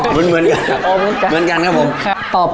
เหมือนกันครับ